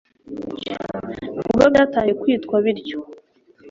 ni bwo byatangiye kwitwa bityo